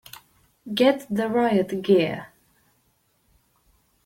Get the riot gear!